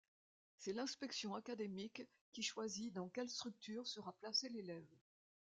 C’est l’inspection académique qui choisit dans quelle structure sera placé l’élève.